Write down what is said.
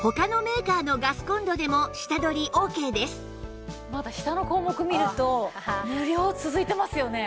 もちろんまだ下の項目見ると無料続いてますよね。